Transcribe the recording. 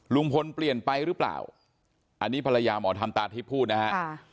ลุงพลเปลี่ยนไปหรือเปล่าอันนี้ภรรยาหมอธรรมตาทิพย์พูดนะฮะ